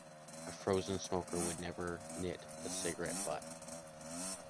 A frozen smoker would never knit the cigarette butt.